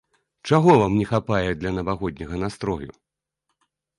Чаго вам не хапае для навагодняга настрою?